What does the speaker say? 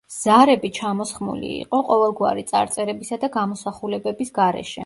ზარები ჩამოსხმული იყო ყოველგვარი წარწერებისა და გამოსახულებების გარეშე.